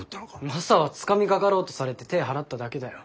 マサはつかみかかろうとされて手ぇ払っただけだよ。